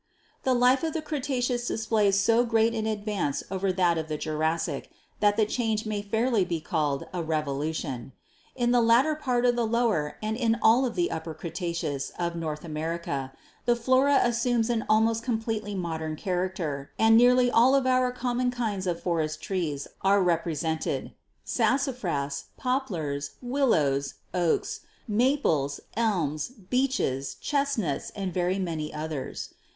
"The life of the Cretaceous displays so great an ad vance over that of the Jurassic that the change may fairly be called a revolution. In the latter part of the Lower and in all the Upper Cretaceous of North America the flora assumes an almost completely modern character, and nearly all of our common kinds of forest trees are repre sented: Sassafras, Poplars, Willows, Oaks, Maples, Elms, Beeches, Chestnuts and very many others.